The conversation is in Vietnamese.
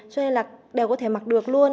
cho nên là đều có thể mặc được luôn